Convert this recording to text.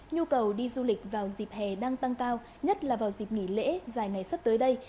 nhu cầu đi du lịch vào dịp hè đang tăng cao nhất là vào dịp nghỉ lễ dài ngày sắp tới đây